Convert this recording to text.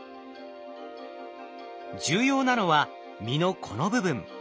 重要なのは実のこの部分。